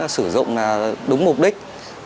sử dụng đúng mục đích